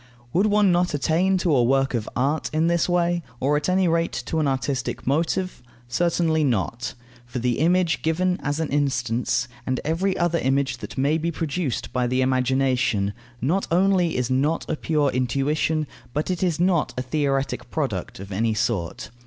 Would one not attain to a work of art in this way, or at any rate to an artistic motive? Certainly not. For the image given as an instance, and every other image that may be produced by the imagination, not only is not a pure intuition, but it is not a theoretic product of any sort.